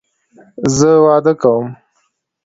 زه واده کوم